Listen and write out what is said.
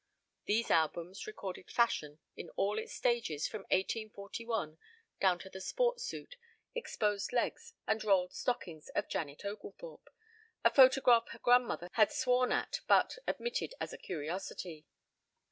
These albums recorded fashion in all its stages from 1841 down to the sport suit, exposed legs and rolled stockings of Janet Oglethorpe; a photograph her grandmother had sworn at but admitted as a curiosity.